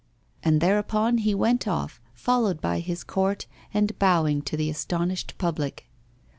And thereupon he went off, followed by his court and bowing to the astonished public.